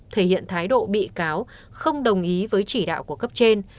thể hiện thái độ bị cáo không đồng ý với chỉ đạo của cấp trên